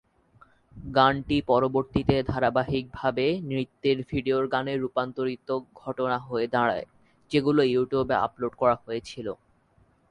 গানটি পরবর্তীতে ধারাবাহিকভাবে নৃত্যের ভিডিওর গানে রুপান্তরিত ঘটনা হয়ে দাড়ায়, যেগুলো ইউটিউবে আপলোড করা হয়েছিল।